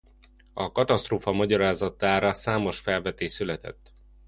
A katasztrófa magyarázatára számos feltevés született.